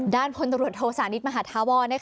ด้านพลตรวจโทษศาลิทมหาธาวร์